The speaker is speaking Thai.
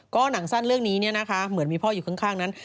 ก็หนังสั้นเรื่องนี้เนี่ยนะคะเหมือนมีพ่ออยู่ข้างนั้น